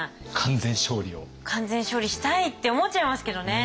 完全勝利を。って思っちゃいますけどね。